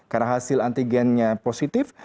karena hasil antigennya positif